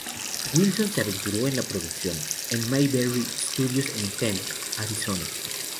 Wilson se aventuró en la producción, en Mayberry Studios en Tempe, Arizona.